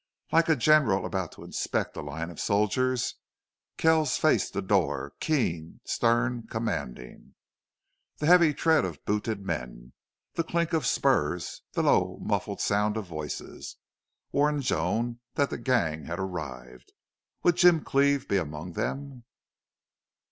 Like a general about to inspect a line of soldiers Kells faced the door, keen, stern, commanding. The heavy tread of booted men, the clink of spurs, the low, muffled sound of voices, warned Joan that the gang had arrived. Would Jim Cleve be among them?